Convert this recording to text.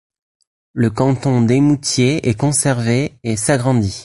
Le canton d'Eymoutiers est conservé et s'agrandit.